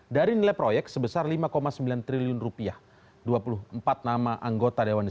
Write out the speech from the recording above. dianggap sebagai kekuatan yang sangat penting